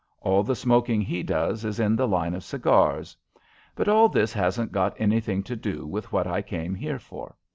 All the smoking he does is in the line of cigars. But all this hasn't got anything to do with what I came here for.